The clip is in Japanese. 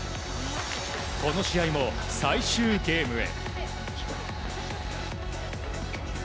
この試合も最終ゲームへ。